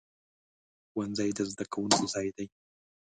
ښوونځی د زده کوونکو ځای دی.